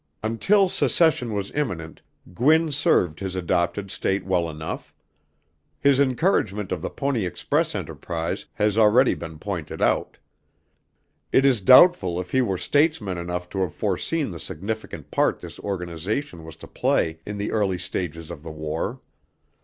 Until secession was imminent, Gwin served his adopted state well enough. His encouragement of the Pony Express enterprise has already been pointed out. It is doubtful if he were statesman enough to have foreseen the significant part this organization was to play in the early stages of the War.